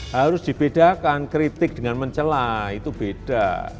harus dibedakan kritik dengan mencelah itu beda